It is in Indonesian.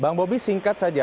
bang bobi singkat saja